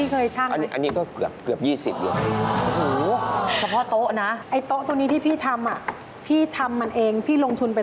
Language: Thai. ค่าทุกอย่างก็เกือบหมื่นนะครับค่าทุกอย่างก็เกือบหมื่นนะครับ